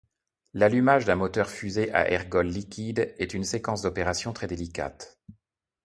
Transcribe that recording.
L'allumage d'un moteur-fusée à ergols liquides est une séquence d'opérations très délicate.